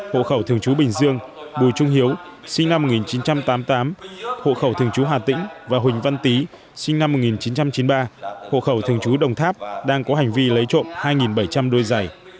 hộ khẩu thường trú bình dương bùi trung hiếu sinh năm một nghìn chín trăm tám mươi tám hộ khẩu thường chú hà tĩnh và huỳnh văn tý sinh năm một nghìn chín trăm chín mươi ba hộ khẩu thường trú đồng tháp đang có hành vi lấy trộm hai bảy trăm linh đôi giày